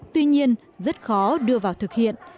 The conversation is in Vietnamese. tuy nhiên rất khó đưa vào thực hiện